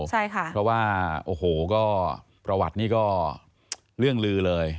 เพราะว่าโอ้โหก็ประวัตินี่ก็เรื่องลือเลย